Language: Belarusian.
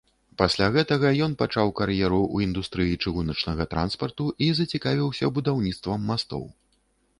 Пасля гэтага ён пачаў кар'еру ў індустрыі чыгуначнага транспарту і зацікавіўся будаўніцтвам мастоў.